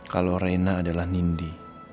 kalau rena adalah nindi